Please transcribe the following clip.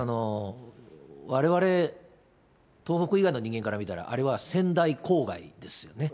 われわれ、東北以外の人間から見たら、あれは仙台郊外ですね。